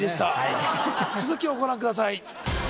続きをご覧ください